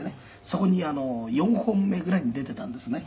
そこに４本目ぐらいに出てたんですね」